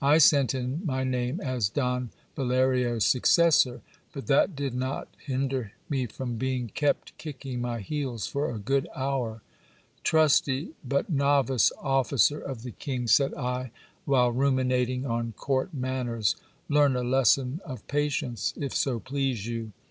I sent in my name as Don Valerio's successor ; but that did not hinder me from being kept kicking my heels for a good hour. Trusty, but novice officer of the king, said I, while ruminating on court manners, leam a lesson of patience, if so please you.